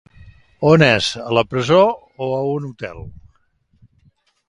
On és, a la presó o a un hotel?